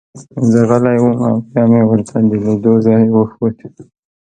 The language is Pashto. زه غلی وم او بیا مې ورته د لیدو ځای وښود